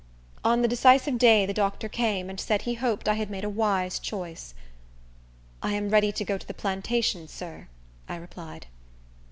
On the decisive day the doctor came, and said he hoped I had made a wise choice. "I am ready to go to the plantation, sir," I replied.